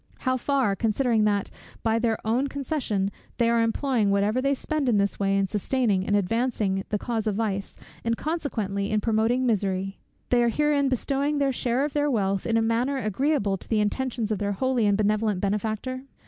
how far, considering that, by their own concession, they are employing whatever they spend in this way, in sustaining and advancing the cause of vice, and consequently in promoting misery; they are herein bestowing this share of their wealth in a manner agreeable to the intentions of their holy and benevolent Benefactor?